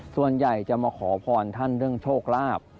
ส่วนใหญ่จะมาขอพรท่านเรื่องโชคลาภ